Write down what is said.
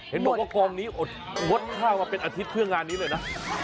เห็นบอกว่ากองนี้อดงดข้าวมาเป็นอาทิตย์เพื่องานนี้เลยนะ